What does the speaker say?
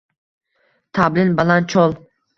Tablin baland chol.